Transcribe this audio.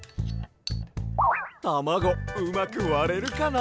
たまごうまくわれるかな？